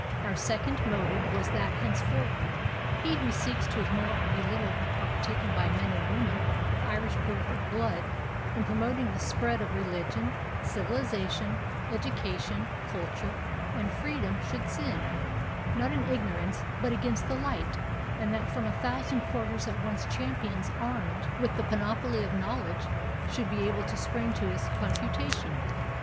Our second motive was that henceforward he who seeks to ignore or belittle the part taken by men and women of Irish birth or blood in promoting the spread of religion, civilization, education, culture, and freedom should sin, not in ignorance, but against the light, and that from a thousand quarters at once champions armed with the panoply of knowledge should be able to spring to his confutation.